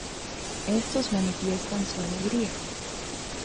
Estos manifiestan su alegría.